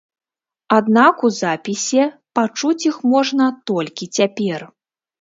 Аднак у запісе пачуць іх можна толькі цяпер.